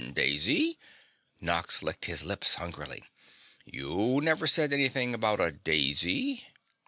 "Daisy?" Nox licked his lips hungrily. "You never said anything about a daisy."